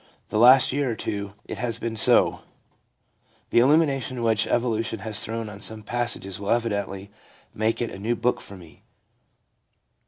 The last year or two it has been so ; the illumination which evolution has thrown on some passages will eventually make it a new book for me.'